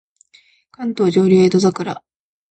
関東上流江戸桜